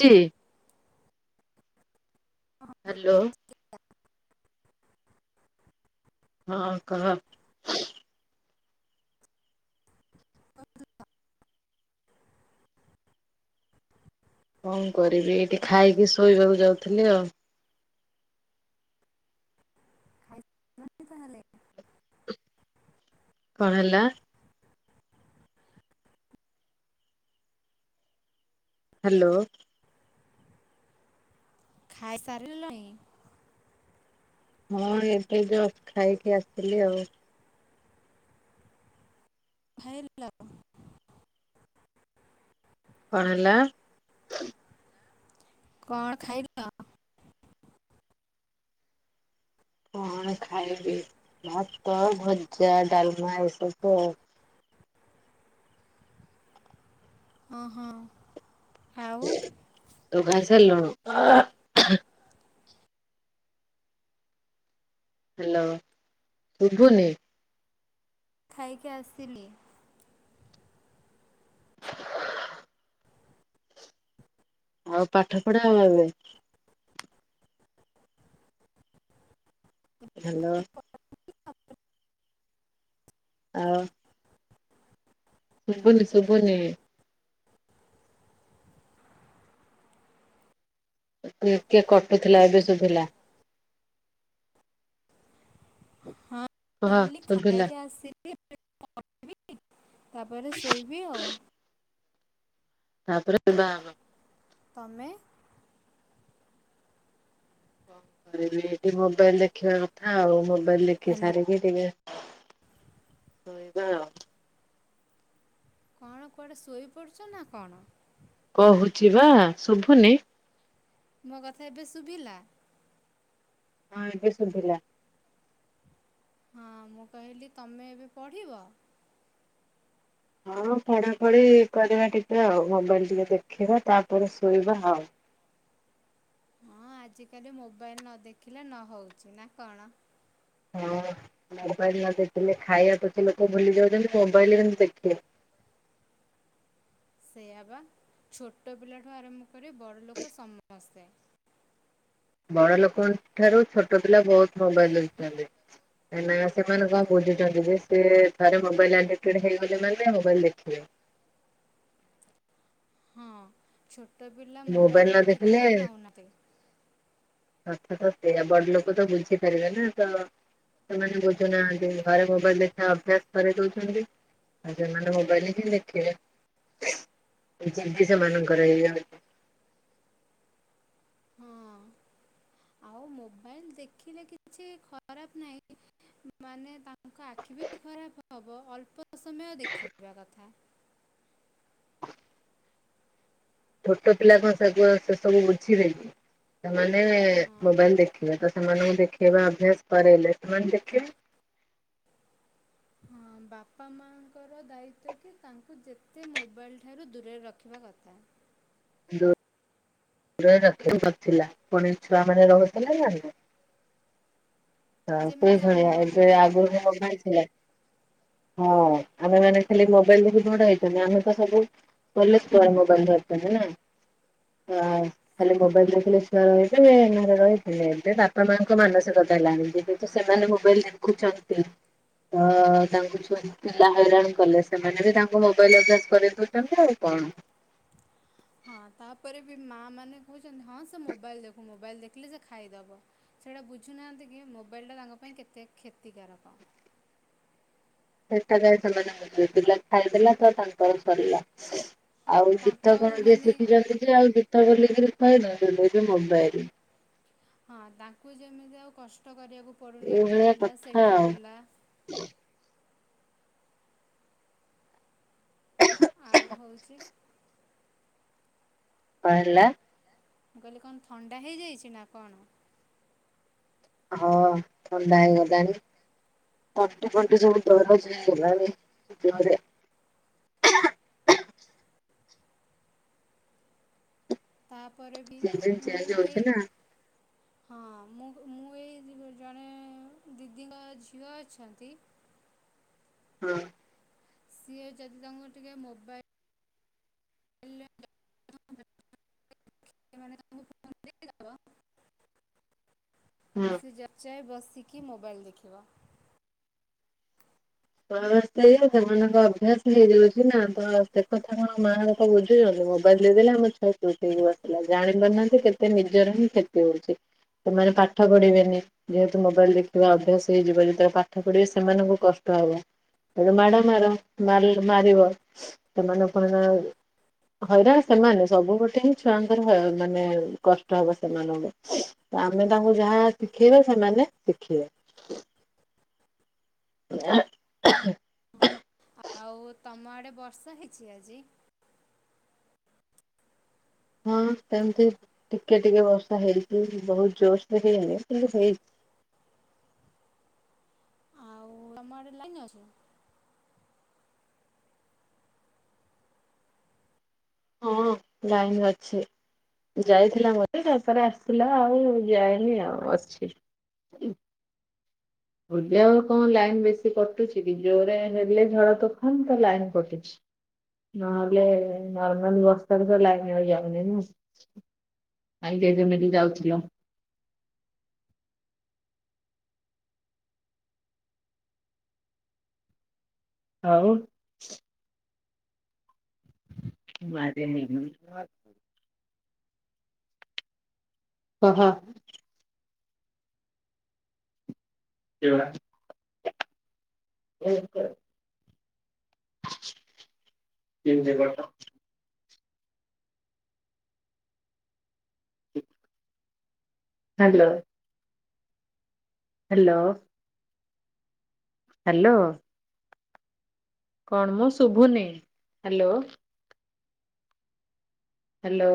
ଚି ହଁ ହାଲୋ। ହଁ କହ। [unintelligible] କଣ କରିବି ଏଇଠି ଖାଇକି ଶୋଇବାକୁ ଯାଉଥିଲି ଆଉ। ମାନେ ତାହଲେ। କଣ ହେଲା? ହାଲୋ। ଖାଇ ସାରିଲଣି? ହଁ ଏବେ ଜଷ୍ଟ୍ ଖାଇକି ଆସିଲି ଆଉ। ଖାଇଲ? କଣ ହେଲା? କଣ ଖାଇଲ? କଣ ଖାଇବି ଭାତ, ଭଜା, ଡାଲମା ଏସବୁ ଆଉ। ଓହୋ। ତୁ ଖାଇସାରଲୁଣୁ? ହାଲୋ ଶୁଭୁନି। ଖାଇକି ଆସିଲି। [unintelligible] ଆଉ ପାଠପଢା। [unintelligible] ହାଲୋ ଆଉ ଶୁଭୁନି ଶୁଭୁନି। ତୁଇକେ କଟୁଥିଲା ଏବେ ଶୁଭିଲା। ହଁ ଶଭିଲା। ଲି ଏବେ ପଢିବି। ତାପରେ ଶୋଇବି ଆଉ। ତାପରେ। [unintelligible] ତମେ? କଣ କରିବି ଏଇଠି ମୋବାଇଲ ଦେଖିବା କଥା ଆଉ ମୋବାଇଲ ଦେଖି ହ୍ୟାଲୋ ସାରିକି ଟିକେ ଶୋଇବା ଆଉ। କଣ କୁଆଡେ ଶୋଇପଡୁଚ ନା କଣ? କୋହୁଛି ପା ଶୁଭୁନି? ମୋ କଥା ଏବେ ଶୁଭିଲା? ହଁ ଏବେ ଶୁଭିଲା। ହଁ ମୁଁ କହିଲି ତମେ ଏବେ ପଢ଼ିବ? ହଁ ପଢାପଢି କରିବା ଟିକେ ଆଉ ମୋବାଇଲ ଟିକେ ଦେଖିବା ତାପରେ ଶୋଇବା ଆଉ। ହଁ ଆଜିକାଲି ମୋବାଇଲ ନ ଦେଖିଲେ ନହୋଉଚି ନା କଣ? ହଁ ମୋବାଇଲ ନ ଦେଖିଲେ ଖାଇବାକୁ ତ ଲୋକ ଭୁଲି ଯଉଚନ୍ତି ମୋବାଇଲ କିନ୍ତୁ ଦେଖିବେ। ସେଇଆ ପା ଛୋଟ ପିଲାଠୁ ଆରମ୍ଭ କରି ବଡ଼ ଲୋକ ସମସ୍ତେ। ବଡ ଲୋକଙ୍କ ଠାରୁ ଛୋଟ ପିଲା ବୋହୁତ ମୋବାଇଲ ଦେଖୁଛନ୍ତି ଏଇନା ସେମାନେ କଣ ବୁଝୁଛନ୍ତି ଯେ ସିଏ ଥରେ ମୋବାଇଲ ଆଡିକଟେଡ୍ ହେଇଗଲେ ମାନେ ମୋବାଇଲ ଦେଖିବେ। ହଁ ଛୋ ଟ ପିଲା ମୋବାଇଲ ନ ଦେଖିଲେ ଖାଉନାନ୍ତି। କଥା ତ ସେୟା ବଡଲୋକ ତ ବୁଝିପାରିବେ ନା ତ ସେମାନେ ବୁଝୁନାହାନ୍ତି ଘରେ ମୋବାଇଲ ଦେଖିବା ଅଭ୍ୟାସ କରେଇ ଦୋଉଚନ୍ତି ଆଉ ସେମାନେ ମୋବାଇଲରେ ହିଁ ଦେଖିବେ ଏଇ ଯେମତି ସେମାନଙ୍କର ଏଇଆ ହୋଉଚି। ହଁ ଆଉ ମୋବାଇଲ ଦେଖିଲେ କିଛି ଖରାପ ନାହିଁ ମାନେ ତାଙ୍କ ଆଖି ବି ଖରାପ ହବ ଅଳ୍ପ ସମୟ ଦେଖିବା କଥା। ଛୋଟ ପିଲାଙ୍କ [unintelligible] ସେସବୁ ବୁଝିବେ କି। ସେମାନେ ହଁ ମୋବାଇଲ ଦେଖିବେ ତ ସେମାନଙ୍କୁ ଦେଖେଇବା ଅଭ୍ୟାସ କରେଇଲେ ସେମାନେ ଦେଖିବେ। ହଁ ବାପା ମାଆଙ୍କର ଦାୟିତ୍ଵ କି ତାଙ୍କୁ ଯେତେ ମୋବାଇଲଠାରୁ ଦୂରରେ ରଖିବା କଥା। ଯୋ [unintelligible] ରଖେଇ ନଥିଲା ପୁଣି ଛୁଆମାନେ ରହୁଥିଲା ନା। ତ ସେଇ ଯେମିତି ଭଳିଆ ଆମ ଏବେ ଯୁଗରେ ଆଗରୁ ମୋବାଇଲର ଥିଲା ହଁ ଆମେମାନେ ଥିଲେ ମୋବାଇଲ ଦେଖି କଁ ଗୋଟେ ହେଇଥାନ୍ତା ଆମେ ତ ସବୁ କଲେଜ [unintelligible] ମୋବାଇଲ ଧରୁଥିଲେ ନା। ଆ ଖାଲି ମୋବାଇଲ ଦେଖିଲେ ଛୁଆ ମାନେ ଘରେ ରହୁଥିଲେ ଏବେ ବାପା ମାଙ୍କ ମାନସିକତା ହେଲାଣି ଏବେ ତ ସେମାନେ ମୋବାଇଲ ଦେଖୁଚନ୍ତି ତ ତାଙ୍କୁ ଛୁଆ ପିଲା ହଇରାଣ କଲେ ସେମାନେ ବି ତାଙ୍କୁ ମୋବାଇଲ ଅଭ୍ୟାସ କରେଇ ଦୋଉଚନ୍ତି ଆଉ କଣ। ହଁ ତାପରେ ବି ମା ମାନେ କହୁଛନ୍ତି ହଁ ସେ ମୋବାଇଲ ଦେଖୁ ମୋବାଇଲ ଦେଖିଲେ ସେ ଖାଇଦବ ସେଟା ବୁଝୁନାହାନ୍ତି କି ମୋବାଇଲ ଟା ତାଙ୍କ ପାଇଁ କେତେ କ୍ଷତିକାରକ ସେଟା ଗା ସେମାନେ ଖାଇଦେଲା ତ ତାଙ୍କର ସରିଲା ଆଉ ତାଙ୍କୁ ଗୀତ ଆଉ କଣ ଯ ମାନେ ଶିଖିଛନ୍ତିଛ ଯେ ଆଉ ଗୀତ ବୋଲିକିରି ହଇଲୋ ତତେ କହୁଚି ମୋବାଇଲ୍ ହଁ ତାଙ୍କୁ ଯେମିତି ଆଉ କଷ୍ଟ କରିବାକୁ ପଡ଼ୁନି ଏଠି ଏଇଭଳିଆ ବୁଲା କଥା ସେଠି ଆଉ ବୁଲା ଆଉ ହଉଛି କଣ ହେଲା। ମୁଁ କହିଲି କଣ ଥଣ୍ଡା ହେଇଯାଇଛି ନା କଣ? ହଁ ଥଣ୍ଡା ହେଇଗଲାଣି, ତଣ୍ଟି ଫଣ୍ଟି ସବୁ ଦରଜ ହେଇଗଲାଣି ଦେହରେ ତାପରେ ବି ସିଜନ ମୁଁ ଚେଞ୍ଜ ଏଇ ହଉଛି ନା। ହଁ ମୁଁ ମୁଁ ଏଇ ଜଣେ ଦିଦିଙ୍କ ଝିଅ ଅଛନ୍ତି ହଁ ସିଏ ଯଦି ତାଙ୍କୁ ଟିକେ ମୋବାଇଲ ସେ ତମକୁ ଫ ଦେଇ ଦବ ହଁ ସେ ଯାଉଚି ସେ ବସିକି ମୋବାଇଲ୍ ଦେଖିବ। ହ ସେମାନଙ୍କ ଅଭ୍ୟାସ ହେଇଯାଉଛି ନା ତ ସେ କଥା କଣ ମା ବା ତ ବୁଝୁଛନ୍ତି ମୋବାଇଲ ଦେଇଦେଲେ ଆମ ଛୁଆ ଚୁଠକୁ ଆସିଲା ଜାଣି ପାରୁନାହାନ୍ତି କେତେ ନିଜର ହିଁ କ୍ଷତି ହଉଛି ସେମାନେ ପାଠ ପଢିବେନି ଯେହେତୁ ମୋବାଇଲ ଦେଖିବା ଅଭ୍ୟାସ ହେଇଯିବ ଯେତେବେଳେ ପାଠ ପଢିବେ ସେମାନଙ୍କୁ କଷ୍ଟ କ ହବ ତଣୁ ମାଡ ମାର ମାରିବ ସେମାନେ କ ନା ହଇରାଣ ସେମାନେ ସବୁ ଗଟେ ହିଁ ଛୁଆଙ୍କର ମାନେ କଷ୍ଟ ହବ ସେମାନଙ୍କୁ ଆମେ ତାଙ୍କୁ ଯାହା ଶିଖେଇବା ସେମାନେ ଶିଖିବେ। [unintelligible] ଆଉ ତମ ଆଡେ ବର୍ଷା ହେଇଛି ଆଜି? ହଁ ସେମିତି ଟିକେ ଟିକେ ବର୍ଷା ହେଇଛି, ବହୁତ ଜୋରସରେ ହେଇନି କିନ୍ତୁ ହେଇଛି। ଆଉ ତମ ଆଡ଼େ ଲାଇନ ଅଛି? ହଁ ଲାଇନ ଅଛି ଯାଇଥିଲା ମତେ ତାପରେ ଆସିଥିଲା ଆଉ ଯାଏନି ଆଉ ଅଛି। ବୁଲିବାକୁ କଣ ଲାଇନ ବେଶୀ କଟୁଛି କି ଜୋରେ ହେଲେ ଝଡ ତୋଫାନ ତ ଲାଇନ କଟିଛି ନହେଲେ ନର୍ମାଲ ବର୍ଷାରେ ତ ଲାଇନ ହେଇଯାଉନିମ ଯାଉଥିଲ ଆଉ [unintelligible] ଓ ହୋ [unintelligible] [unintelligible] [inaudible] ହ୍ୟାଲୋ ହ୍ୟାଲୋ ହ୍ୟାଲୋ କଣ ମୁଁ ଶୁଭୁନି! Hello hello